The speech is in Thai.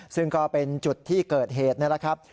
ซึ่งก็เป็นจุดที่เกิดเหตุนี่แหละครับ